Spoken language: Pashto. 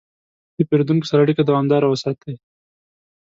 د پیرودونکو سره اړیکه دوامداره وساتئ.